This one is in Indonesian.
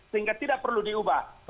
sehingga tidak perlu diubah